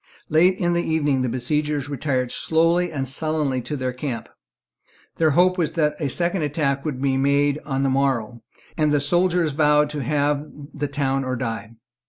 Late in the evening the besiegers retired slowly and sullenly to their camp. Their hope was that a second attack would be made on the morrow; and the soldiers vowed to have the town or die.